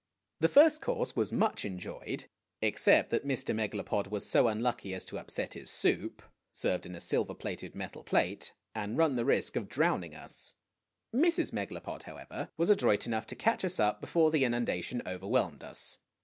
The first course was much enjoyed, except that Mr. Megalopod was so unlucky as to upset his soup (served in a silver plated metal plate), and run the risk of drowning us. Mrs. Megalopod, however, was adroit enough to catch us up before the inundation overwhelmed us.